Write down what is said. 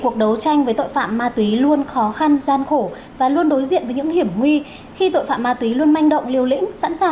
cảm ơn các bạn đã theo dõi và hẹn gặp lại